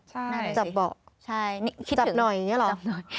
ไม่มีที่จับจับเบาะจับหน่อยอย่างนี้หรอใช่